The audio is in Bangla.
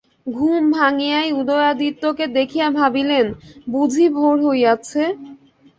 ঘুম ভাঙিয়াই উদয়াদিত্যকে দেখিয়া ভাবিলেন, বুঝি ভাের হইয়াছে।